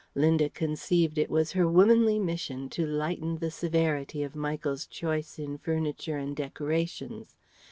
Linda conceived it was her womanly mission to lighten the severity of Michael's choice in furniture and decorations.